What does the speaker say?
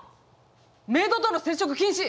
メイドとの接触禁止！